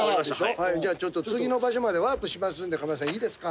じゃあちょっと次の場所までワープしますんでカメラさんいいですか？